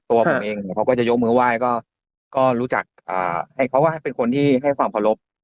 ตัวผมเองเขาก็จะยกมือไหว้ก็ก็รู้จักอ่าเขาก็ให้เป็นคนที่ให้ความภรพ